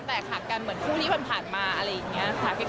แตกหักกันเหมือนคู่ที่ผ่านมาอะไรอย่างนี้ค่ะ